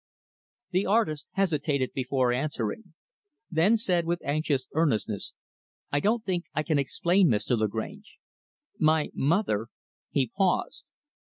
The artist hesitated before answering; then said with anxious earnestness, "I don't think I can explain Mr. Lagrange. My mother " he paused.